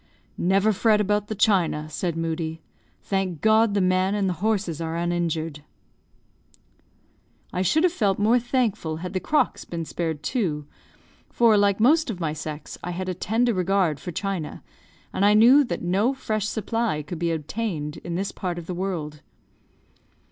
"Never fret about the china," said Moodie; "thank God the man and the horses are uninjured." I should have felt more thankful had the crocks been spared too; for, like most of my sex, I had a tender regard for china, and I knew that no fresh supply could be obtained in this part of the world.